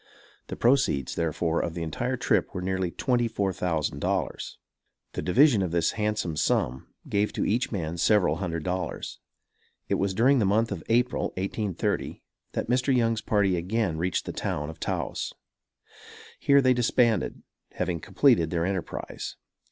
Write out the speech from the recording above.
The proceeds, therefore, of the entire trip were nearly twenty four thousand dollars. The division of this handsome sum gave to each man several hundred dollars. It was during the month of April, 1830, that Mr. Young's party again reached the town of Taos. Here they disbanded, having completed their enterprise.